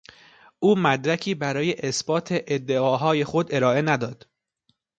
او مدرکی برای اثبات ادعاهای خود ارائه نداد.